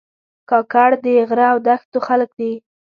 کاکړ د غره او دښتو خلک دي.